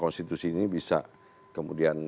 konstitusi ini bisa kemudian